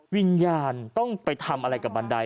วิญญาณต้องไปทำอะไรกับบันได